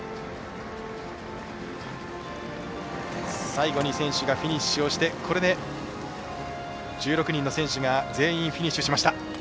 最後に選手がフィニッシュしてこれで１６人の選手が全員フィニッシュしました。